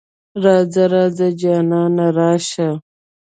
راځه ـ راځه جانانه راشه.